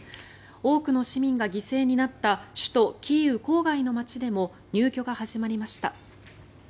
多くの市民が犠牲になった首都キーウ郊外の街でも入居が始まりました。